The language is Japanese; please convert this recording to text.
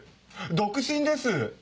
独身です。